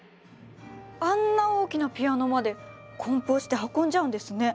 あんな大きなピアノまで梱包して運んじゃうんですね。